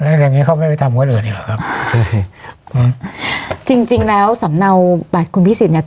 แล้วอย่างงี้เขาไม่ไปทำคนอื่นเนี้ยหรอครับใช่อืมจริงจริงแล้วสำเนาบัตรคุณพิสิทธิเนี้ย